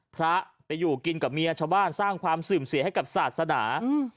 พระไปอยู่กินกับเมียชาวบ้านสร้างความเสื่อมเสียให้กับศาสนาอืม